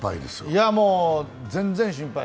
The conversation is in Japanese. いや、もう、全然心配。